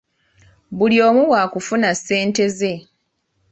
Buli omu waakifuna ssente ze.